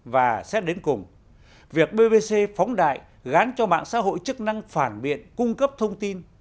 và xét đến cùng việc bbc phóng đại gán cho mạng xã hội chức năng phản biện cung cấp thông tin